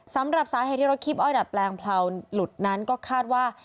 สำหรับสาเหตุที่รถคีบอ้อยดัดแปลงเผลาหลุดนั้นก็คาดว่า